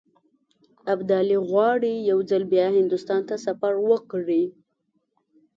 ابدالي غواړي یو ځل بیا هندوستان ته سفر وکړي.